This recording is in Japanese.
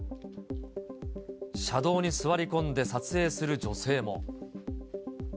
車道に座り込んで撮影する女性も。